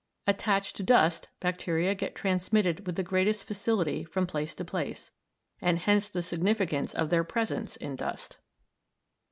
Attached to dust, bacteria get transmitted with the greatest facility from place to place, and hence the significance of their presence in dust.